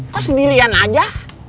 kok sendirian aja